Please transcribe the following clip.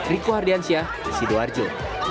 rico hardiansyah sido arjo